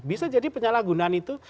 bisa jadi penyalahgunaan itu